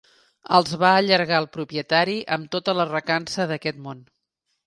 Els va allargar al propietari amb tota la recança d'aquest món.